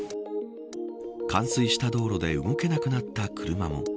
冠水した道路で動けなくなった車も。